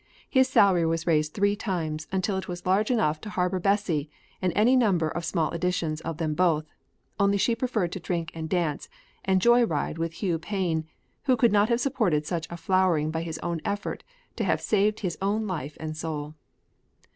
His salary was raised three times until it was large enough to harbor Bessie and any number of small editions of them both, only she preferred to drink and dance and joy ride with Hugh Payne, who could not have supported such a flowering by his own effort to have saved his own life and soul.